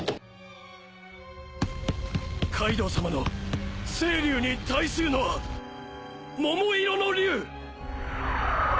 カイドウさまの青龍に対するのは桃色の龍！